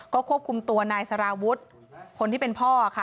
ก็ควบคุมตัวนายสารวุฒิคนที่เป็นพ่อค่ะ